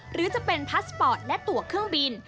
หรือจะเป็นพาสปอร์ตและตัวเครื่องบิน